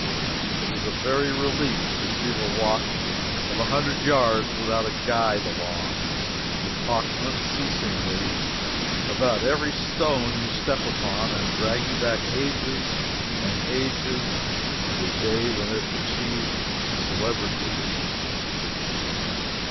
It is a very relief to steal a walk of a hundred yards without a guide along to talk unceasingly about every stone you step upon and drag you back ages and ages to the day when it achieved celebrity.